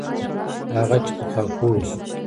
هغه چې په خاپوړو سو.